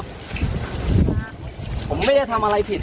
กรมป้องกันแล้วก็บรรเทาสาธารณภัยนะคะ